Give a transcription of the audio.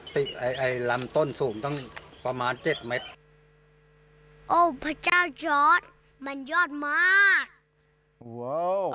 ติ๊กไอไอลำต้นสูงตั้งประมาณเจ็ดเมตรโอ้พระเจ้ามันยอดมาก